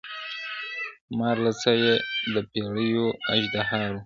مار لا څه چي د پېړیو اژدهار وو-